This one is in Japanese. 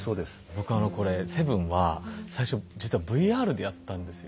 僕あのこれ「７」は最初実はＶＲでやったんですよ。